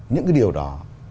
những cái điều đó